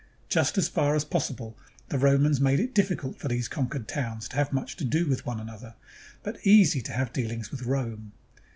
Just as far as possible the Romans made it difficult for these conquered towns to have much to do with one another, but easy to have dealings with Rome.